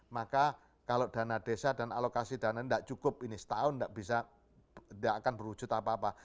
maka kalau dana desa dan alokasi dana tidak cukup ini setahun tidak bisa tidak akan berwujud apa apa